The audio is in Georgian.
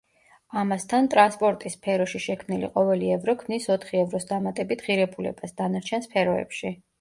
ამასთან, ტრანსპორტის სფეროში შექმნილი ყოველი ევრო ქმნის ოთხი ევროს დამატებით ღირებულებას, დანარჩენ სფეროებში.